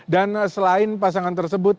dan selain pasangan tersebut